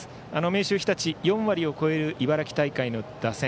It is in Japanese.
明秀日立４割を超える茨城大会の打線